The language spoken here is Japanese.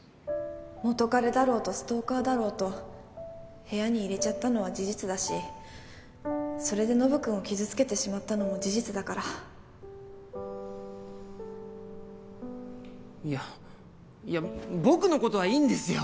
元カレだろうとストーカーだろうと部屋に入れちゃったのは事実だしそれでノブ君を傷つけてしまったのも事実いやいや僕のことはいいんですよ。